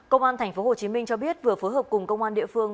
công an thành phố hồ chí minh cho biết vừa phối hợp cùng công an địa phương